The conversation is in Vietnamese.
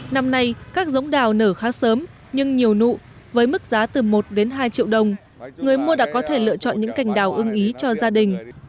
năm nay các giống đào nở khá sớm nhưng nhiều nụ với mức giá từ một đến hai triệu đồng người mua đã có thể lựa chọn những cành đào ưng ý cho gia đình